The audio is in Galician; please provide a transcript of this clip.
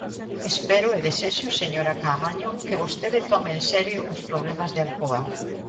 Espero e desexo, señora Caamaño, que vostede tome en serio os problemas de Alcoa.